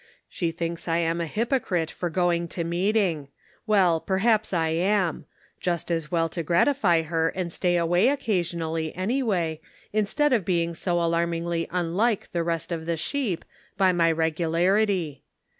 She thinks I am a hypocrite for going to meet ing. Well, perhaps I am ; just as well to gratify her and stay away occasionally, anyway, instead of being so alarmingly unlike the rest of the sheep, by my regu larity.